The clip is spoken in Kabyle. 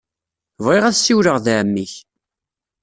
Bɣiɣ ad ssiwleɣ ed ɛemmi-k.